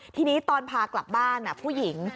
ทีนี้ตอนพากลับบ้านผู้หญิง